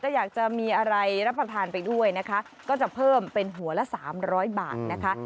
อยากจะมีอะไรรับประทานไปด้วยนะคะก็จะเพิ่มเป็นหัวละ๓๐๐บาทนะคะ